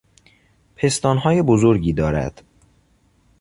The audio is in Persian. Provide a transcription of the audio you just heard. پستانهای بزرگی دارد